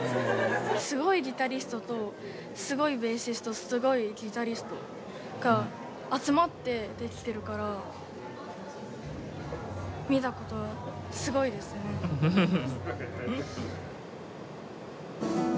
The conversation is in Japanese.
すごいギタリストとすごいベーシストすごいギタリストが集まってできてるから見たことすごいですねフフフ